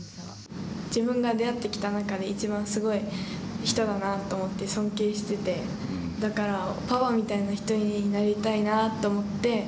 自分が出会ってきた中でいちばんすごいな人だなと思って尊敬してて、だからパパみたいな人になりたいなと思って。